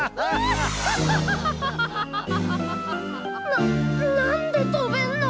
ななんでとべんの？